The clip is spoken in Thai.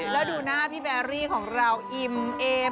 แล้วดูหน้าพี่แบรี่ของเราอิ่มเอม